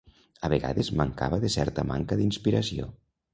A vegades mancava de certa manca d'inspiració.